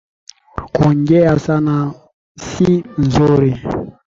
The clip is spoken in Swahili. Kuongea sana si nzuri